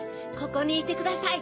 ここにいてください。